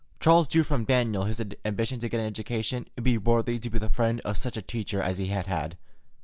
Charles drew from Daniel his ambition to get an education and be worthy to be the friend of such a teacher as he had had.